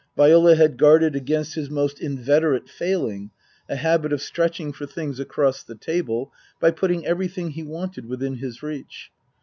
Viola had guarded against his most inveterate failing a habit of stretching for things across the table by putting everything he wanted within his reach.